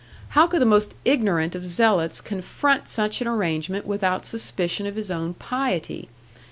How could the most ignorant of zealots confront such an arrangement without suspicion of his own piety?